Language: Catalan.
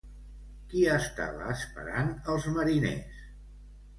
Qui estava esperant els mariners?